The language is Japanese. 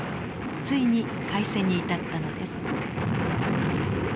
ついに開戦に至ったのです。